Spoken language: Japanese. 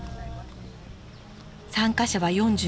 参加者は４５人。